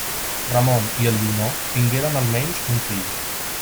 Ramon i Elionor tingueren almenys un fill: